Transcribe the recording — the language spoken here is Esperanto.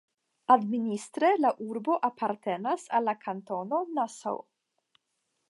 Administre la urbo apartenas al la kantono Nassau.